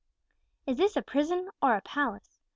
"Is this a prison or a palace?"